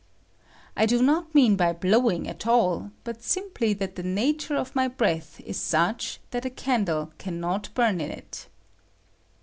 I do not mean by blowing at aU, but simply that the nature of my breath is such that a candle can not bum in it.